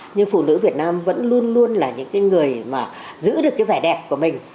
nhưng phụ nữ việt nam vẫn luôn luôn là những cái người mà giữ được cái vẻ đẹp của mình